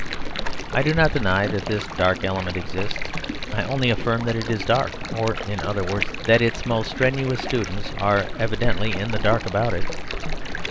I do not deny that this dark element exists; I only affirm that it is dark; or, in other words, that its most strenuous students are evidently in the dark about it.